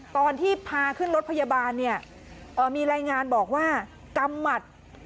ตอนที่พาขึ้นรถพยาบาลเนี่ยมีรายงานบอกว่ากำหมัด